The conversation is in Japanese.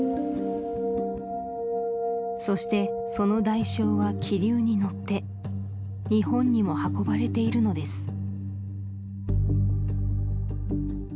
そしてその代償は気流に乗って日本にも運ばれているのです